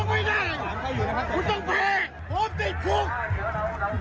พวกคุณไม่ใช่พวกคุณโกรธปลอม